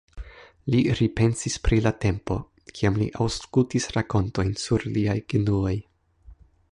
Li repensis pri la tempo, kiam li aŭskultis rakontojn sur liaj genuoj.